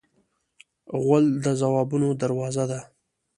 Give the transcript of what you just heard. غول د ځوابونو دروازه ده.